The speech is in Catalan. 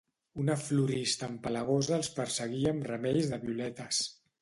Una florista empalagosa els perseguia amb ramells de violetes.